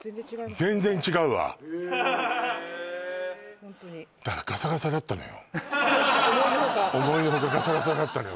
全然違うわホントにだからガサガサだったのよ思いのほか思いのほかガサガサだったのよ